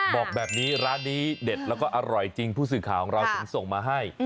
บอกแบบนี้ร้านนี้เด็ดแล้วก็อร่อยจริงผู้สื่อข่าวของเราถึงส่งมาให้